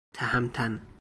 تهمتن